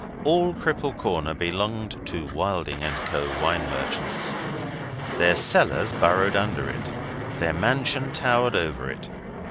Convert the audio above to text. All Cripple Corner belonged to Wilding and Co., Wine Merchants. Their cellars burrowed under it, their mansion towered over it.